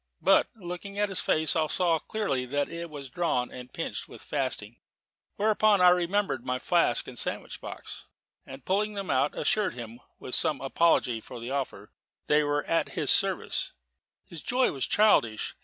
But looking at his face, I saw clearly that it was drawn and pinched with fasting. Whereupon I remembered my flask and sandwich box, and pulling them out, assured him, with some apology for the offer, that they were at his service. His joy was childish.